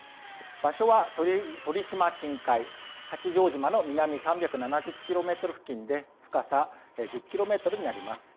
場所は鳥島近海、八丈島の南３７０キロメートル付近で深さ１０キロメートルになります。